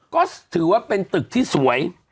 ก็ถือว่าเป็นตึกที่สวย